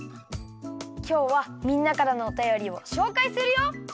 きょうはみんなからのおたよりをしょうかいするよ！